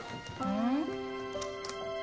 うん？